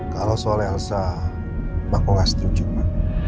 kalau soal elsa mbak ko gak setuju ma